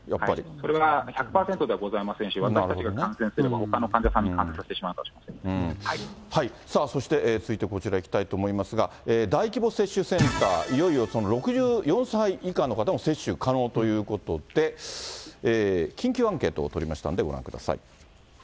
それは１００％ではございませんし、私たちが感染すれば、ほさあそして、続いてこちらいきたいと思いますが、大規模接種センター、いよいよ６４歳以下の方も接種可能ということで、緊急アンケートを取りましたのでご覧ください。